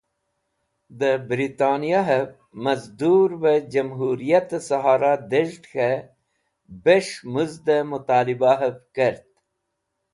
De Britaniyahev Mazdurve Jamhuriyate Sahara Dezhd k̃he Bes̃h Muzde Mutalibahev Kert.